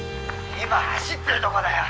今走ってるとこだよ！